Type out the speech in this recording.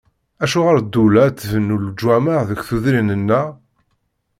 Acuɣer ddula ad tbennu leǧwameɛ deg tudrin-nneɣ?